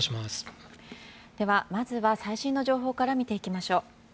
では、まずは最新の情報から見ていきましょう。